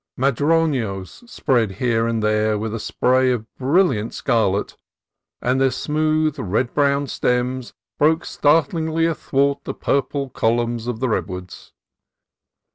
Madronos spread here and there a spray of brilliant scarlet, and their smooth red brown stems broke startlingly athwart the purple columns of the redwoods.